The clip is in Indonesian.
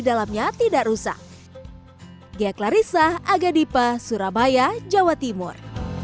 dalamnya tidak rusak gaya clarissa agadipa surabaya jawa timur